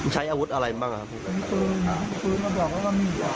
ใช้อาวุธอะไรบ้างอ่ะ